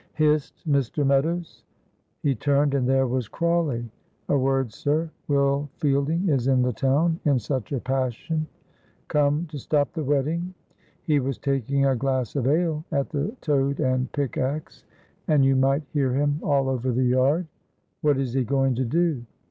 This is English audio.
"Hist! Mr. Meadows." He turned, and there was Crawley. "A word, sir. Will Fielding is in the town, in such a passion." "Come to stop the wedding?" "He was taking a glass of ale at the 'Toad and Pickax,' and you might hear him all over the yard." "What is he going to do?"